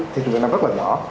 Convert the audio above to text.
thị trường việt nam rất là nhỏ